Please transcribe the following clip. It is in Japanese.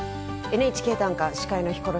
「ＮＨＫ短歌」司会のヒコロヒーです。